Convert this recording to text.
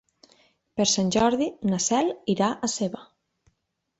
Per Sant Jordi na Cel irà a Seva.